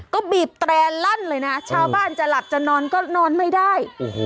ก็บีบแตร่ลั่นเลยนะชาวบ้านจะหลับจะนอนก็นอนไม่ได้